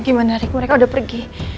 gimana mereka udah pergi